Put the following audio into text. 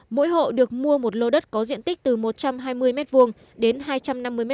mỗi hộ được mua một lô đất có diện tích từ một trăm hai mươi m hai đến hai trăm năm mươi m hai